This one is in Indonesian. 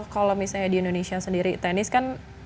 kalau misalnya di indonesia sendiri tenis kan